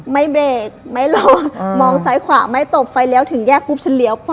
ไม่เบรกไม่ลงมองซ้ายขวาไม่ตบไฟเลี้ยวถึงแยกปุ๊บฉันเลี้ยว